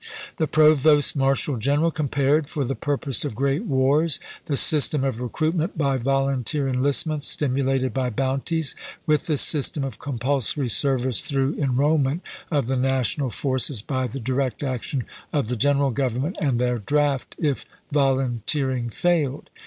The Provost Marshal General compared, for the purpose of great wars, the system of recruitment by volunteer enlistments stimulated by bounties, with the system of compulsory service through en rollment of the national forces by the direct action of the General Government and their draft if volun teering failed.